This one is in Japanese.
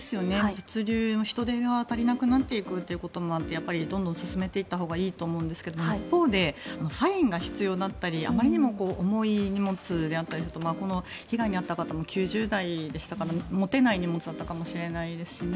物流も人手が足りなくなっていくということもあってやっぱりどんどん進めていったほうがいいと思うんですが一方で、サインが必要だったりあまりにも重い荷物だったりすると被害に遭った方も９０代でしたから持てない荷物だったかもしれないですしね。